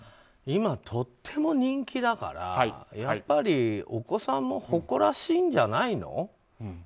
今、とっても人気だからやっぱりお子さんも誇らしいんじゃないの？